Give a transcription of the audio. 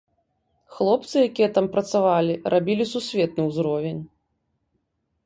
Хлопцы, якія там працавалі, рабілі сусветны ўзровень.